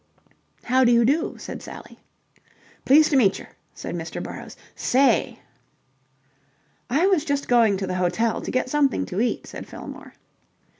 "How do you do?" said Sally. "Pleased to meecher," said Mr. Burrowes. "Say..." "I was just going to the hotel to get something to eat," said Fillmore.